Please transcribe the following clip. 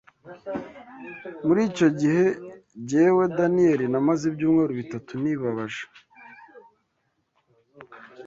Muri icyo gihe jyewe Daniyeli namaze ibyumweru bitatu nibabaje